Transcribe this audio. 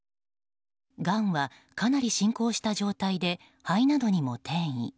がんはかなり進行した状態で肺などにも転移。